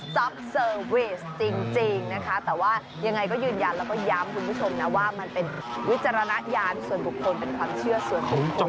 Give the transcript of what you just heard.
เซอร์เวสจริงนะคะแต่ว่ายังไงก็ยืนยันแล้วก็ย้ำคุณผู้ชมนะว่ามันเป็นวิจารณญาณส่วนบุคคลเป็นความเชื่อส่วนบุคคล